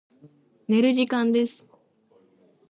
寝る時間です。